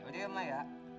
yaudah ya mak ya